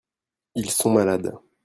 Ils sont malades.